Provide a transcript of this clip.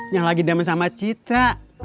yang lagi demen sama citra